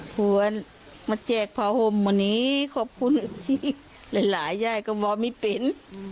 ผัวมาแจกผ้าห่มวันนี้ขอบคุณที่หลายยายก็บอกไม่เป็น